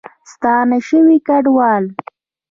ستانه شوي کډوال